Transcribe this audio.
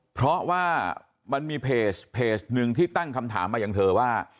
เพราะว่ามันมีเพจหนึ่งที่ตั้งคำถามมาอย่างเธอว่า